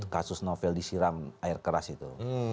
kasus novel disiram air keras itu